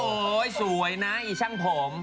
โอ้โหสวยนะอีช่างผม